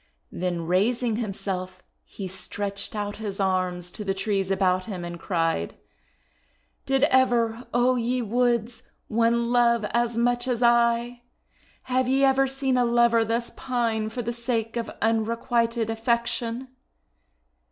Then raising himself, he stretched out his arms to the trees about him, and cried: — "Did ever, O ye Woods, one love as much as I! Have ye ever seen a lover thus pine for the sake of unrequited affection?